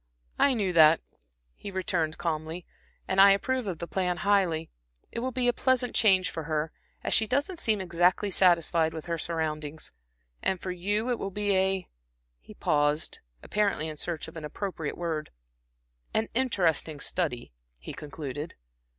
"I knew that," he returned, calmly, "and I approve of the plan highly. It will be a pleasant change for her, as she doesn't seem exactly satisfied with her surroundings; and for you it will be a a" he paused, apparently in search of an appropriate word "an interesting study," he concluded.